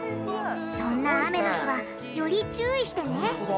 そんな雨の日はより注意してねほんとだ。